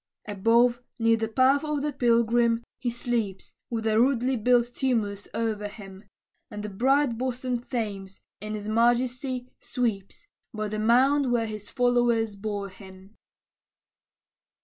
Above, near the path of the pilgrim, he sleeps, With a rudely built tumulus o'er him; And the bright bosomed Thames, in his majesty, sweeps, By the mound where his followers bore him.